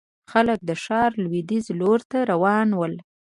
خلک د ښار لوېديځ لور ته روان ول.